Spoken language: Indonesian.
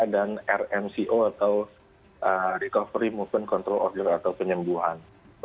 dan rmco atau recovery movement control order atau penyembuhan